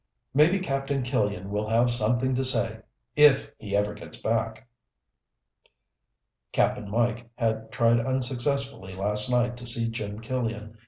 "Maybe Captain Killian will have something to say. If he ever gets back." Cap'n Mike had tried unsuccessfully last night to see Jim Killian.